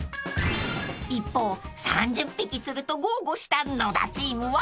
［一方３０匹釣ると豪語した野田チームは？］